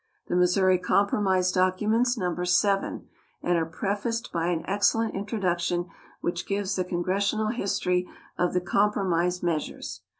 The Missouri Compromise documents number seven, and are prefaced by an excellent introduction which gives the congressional history of the compromise measures.